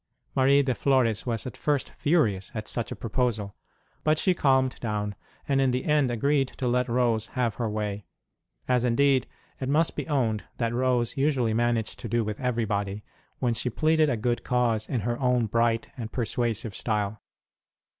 Marie de Flores was at first furious at such a proposal ; but she calmed down, and in the end agreed to let Rose have her way; as, indeed, it must be owned that Rose usually managed to do with everybody, when she ROSE S SPECIAL DEVOTIONS AND CHARITIES 123 pleaded a good cause in her own bright and persuasive style.